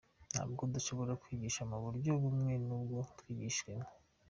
Ntabwo dushobora kwigisha mu buryo bumwe n’ubwo twigishijwemo.